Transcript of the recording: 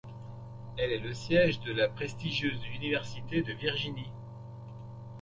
Elle est le siège de la prestigieuse Université de Virginie.